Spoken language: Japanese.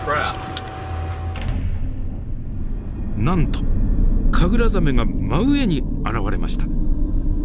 なんとカグラザメが真上に現れました。